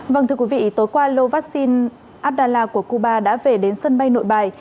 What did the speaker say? vâng thưa quý vị tối qua lô vaccine abdallah của cuba đã về đến sân bay nội bài